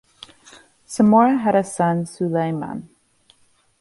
Samura had a son Sulayman.